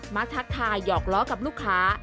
ทักทายหอกล้อกับลูกค้า